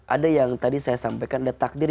ada yang tadi saya sampaikan ada takdir